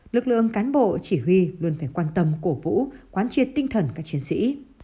lực lượng cán bộ chỉ huy luôn phải quan tâm cổ vũ quán triệt tinh thần các chiến sĩ